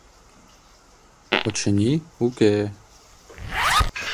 Очыни, уке...